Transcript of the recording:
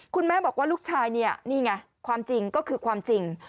คุณแม่บอกว่าลูกชายเนี่ยนี่ไงความจริงก็คือความจริง